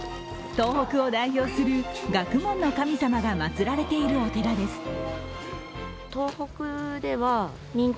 東北を代表する学問の神様が祭られているお寺です。